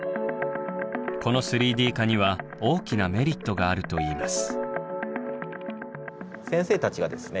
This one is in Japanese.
この３Ｄ化には大きなメリットがあるといいます。